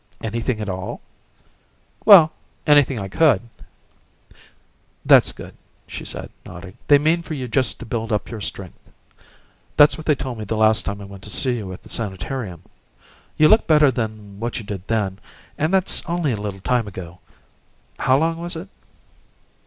"Anything at all?" "Well anything I could." "That's good," she said, nodding. "They mean for you just to build up your strength. That's what they told me the last time I went to see you at the sanitarium. You look better than what you did then, and that's only a little time ago. How long was it?"